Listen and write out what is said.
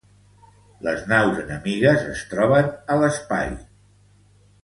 Les naus enemigues es troben a l'espai.